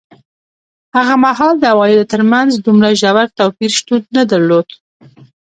هغه مهال د عوایدو ترمنځ دومره ژور توپیر شتون نه درلود.